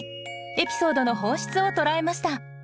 エピソードの本質を捉えました